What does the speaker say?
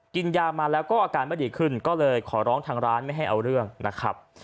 กินยามาแล้วก็อาการไม่ดีขึ้นก็เลยขอร้องทางร้านไม่ให้เอาเรื่องนะครับ